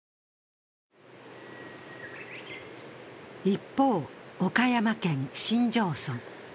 一方、岡山県新庄村。